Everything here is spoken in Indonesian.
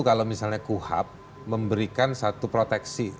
kalau misalnya kuhap memberikan satu proteksi